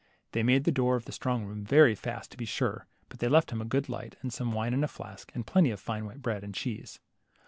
They made the door of the strong room very fast, to be sure, but they left him a good light, and some wine in a flask, and plenty of fine white bread and cheese.